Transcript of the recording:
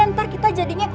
entar kita jadinya